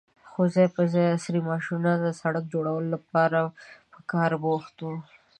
خو ځای پر ځای عصرې ماشينونه د سړک جوړولو لپاره په کار بوخت وو.